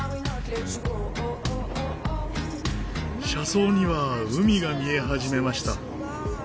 車窓には海が見え始めました。